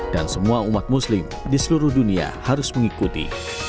dan semua umat muslim di seluruh dunia harus mengikuti